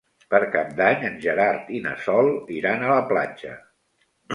Per Cap d'Any en Gerard i na Sol iran a la platja.